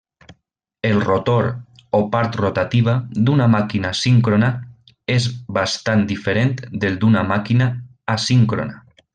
El rotor, o part rotativa, d'una màquina síncrona és bastant diferent del d'una màquina asíncrona.